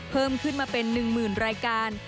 เพิ่มขึ้นมาเป็น๑๐๐๐รายการ